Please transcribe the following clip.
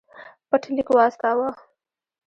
پټ لیک واستاوه.